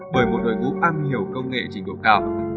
bởi một đội ngũ am hiểu công nghệ trình độ cao